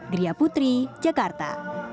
dria putri jakarta